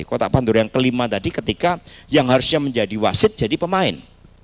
kota pandora yang kelima tadi ketika yang harusnya menjadi wasit jadi pemain